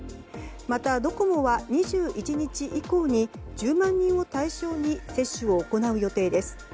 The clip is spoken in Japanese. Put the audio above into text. またドコモは２１日以降に１０万人を対象に接種を行う予定です。